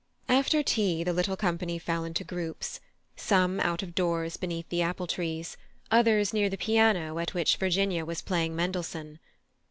After tea the little company fell into groups—some out of doors beneath the apple trees, others near the piano at which Virginia was playing Mendelssohn.